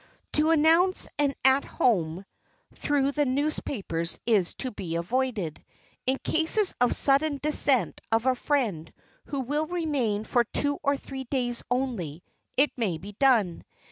To announce an "At Home" through the newspapers is to be avoided. In case of the sudden descent of a friend who will remain for two or three days only it may be done.